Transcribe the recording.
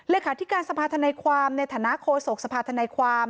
เลขาที่การสรรพาทนายความในฐานะโคสกสรรพาทนายความ